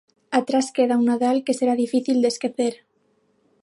Atrás queda un Nadal que será difícil de esquecer.